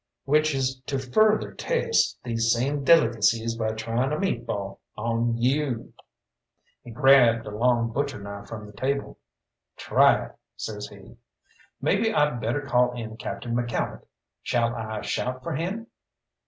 "Which is to further test these same delicacies by trying a meat ball on you." He grabbed a long butcher knife from the table. "Try it," says he. "Maybe I'd better call in Captain McCalmont. Shall I shout for him?"